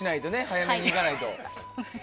早めに行かないと。